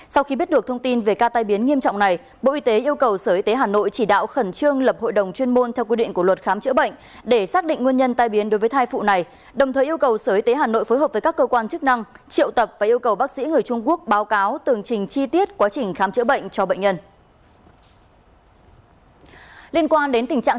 sau khi biết được thông tin về ca tai biến nghiêm trọng này bộ y tế yêu cầu sở y tế hà nội chỉ đạo khẩn trương lập hội đồng chuyên môn theo quy định của luật khám chữa bệnh để xác định nguyên nhân tai biến đối với thai phụ này đồng thời yêu cầu sở y tế hà nội phối hợp với các cơ quan chức năng triệu tập và yêu cầu bác sĩ người trung quốc báo cáo tường trình chi tiết quá trình khám chữa bệnh cho bệnh nhân